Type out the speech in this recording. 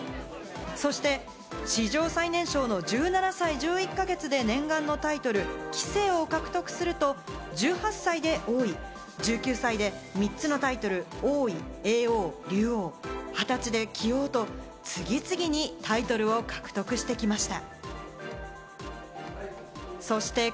そして史上最年少の１７歳１１か月で念願のタイトル・棋聖を獲得すると、１８歳で王位、１９歳で３つのタイトル、２０歳で棋王と次々にタイトルを獲得してきました。